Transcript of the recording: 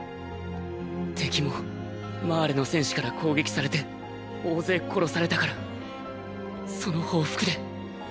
敵もマーレの戦士から攻撃されて大勢殺されたからその報復で。